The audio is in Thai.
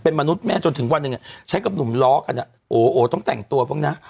มนุษย์แม่จนถึงวันหนึ่งใช้กับหนุ่มล้อกันอ่ะโอ้ต้องแต่งตัวบ้างนะ